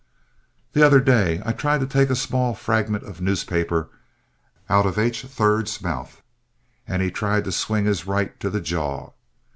The other day I tried to take a small fragment of newspaper out of H. 3rd's mouth, and he tried to swing his right to the jaw.